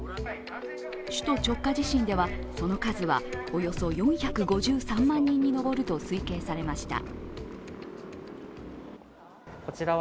首都直下地震では、その数はおよそ４５３人に上ると推計されました。